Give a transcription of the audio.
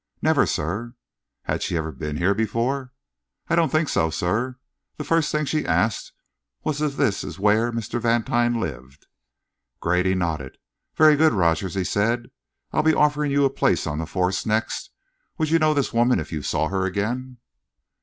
"Never, sir." "Had she ever been here before?" "I don't think so, sir. The first thing she asked was if this was where Mr. Vantine lived." Grady nodded. "Very good, Rogers," he said. "I'll be offering you a place on the force next. Would you know this woman if you saw her again?"